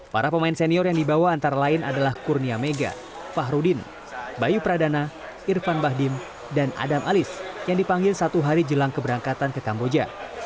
para pemain senior yang dibawa antara lain adalah kurnia mega fahrudin bayu pradana irfan bahdim dan adam alis yang dipanggil satu hari jelang keberangkatan ke kamboja